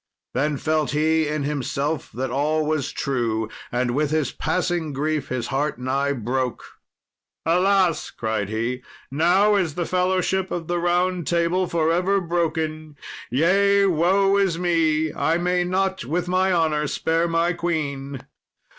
Then felt he in himself that all was true, and with his passing grief his heart nigh broke. "Alas!" cried he, "now is the fellowship of the Round Table for ever broken: yea, woe is me! I may not with my honour spare my queen."